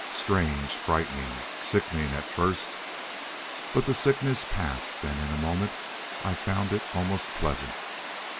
Strange, frightening, sickening at first. But the sickness passed, and in a moment I found it almost pleasant.